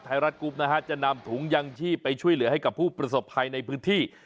ไทยรัฐกรุ๊ปนะฮะจะนำถุงยังชีพไปช่วยเหลือให้กับผู้ประสบภัยในพื้นที่